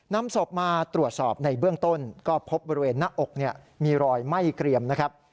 นำศพมาตรวจสอบในเบื้องต้นก็พบบริเวณหน้าอกมีรอยไหม้เกรียมนะครับ